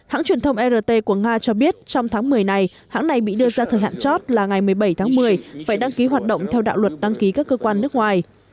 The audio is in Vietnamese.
hãng truyền thông rt của nga cho biết trong tháng một mươi này hãng này bị đưa ra thời hạn chót là ngày một mươi bảy tháng một mươi phải đăng ký hoạt động theo đạo luật đăng ký các cơ quan nước ngoài